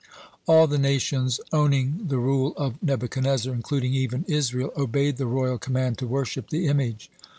(83) All the nations owning the rule of Nebuchadnezzar, including even Israel, obeyed the royal command to worship the image.